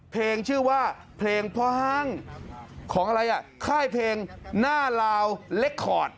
ชื่อว่าเพลงพ่อห้างของอะไรอ่ะค่ายเพลงหน้าลาวเล็กคอร์ด